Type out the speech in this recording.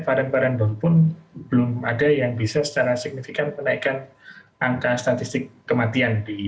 varian varian baru pun belum ada yang bisa secara signifikan menaikkan angka statistik kematian